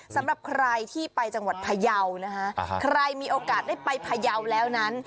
สำหรับใครที่ไปจังหวัดพยาวนะคะใครมีโอกาสได้ไปพยาวแล้วนั้น